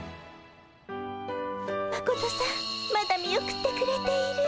マコトさんまだ見送ってくれている。